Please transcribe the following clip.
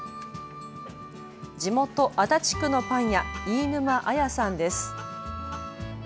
地元足立区のパン屋、飯沼綾さんです。